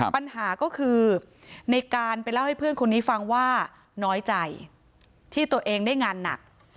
ปัญหาก็คือในการไปเล่าให้เพื่อนคนนี้ฟังว่าน้อยใจที่ตัวเองได้งานหนัก